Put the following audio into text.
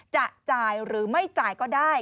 จะจ่ายหรือไม่จ่ายก็ได้